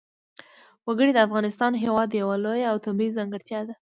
وګړي د افغانستان هېواد یوه لویه او طبیعي ځانګړتیا ده.